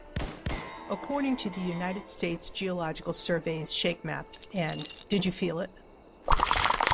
According to the United States Geological Survey's ShakeMap and Did You Feel It?